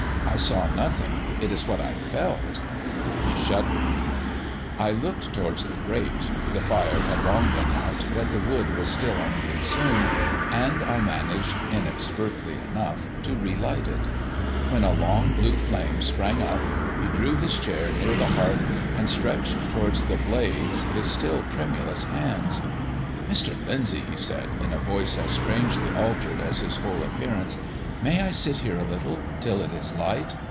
"I saw nothing; it is what I felt." He shuddered. I looked towards the grate. The fire had long been out, but the wood was still unconsumed, and I managed, inexpertly enough, to relight it. When a long blue flame sprang up, he drew his chair near the hearth and stretched towards the blaze his still tremulous hands. "Mr. Lyndsay," he said, in a voice as strangely altered as his whole appearance, "may I sit here a little till it is light?